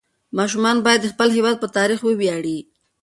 ماشومان باید د خپل هېواد په تاریخ وویاړي.